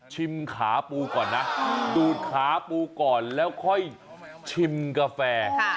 ขาปูก่อนนะดูดขาปูก่อนแล้วค่อยชิมกาแฟ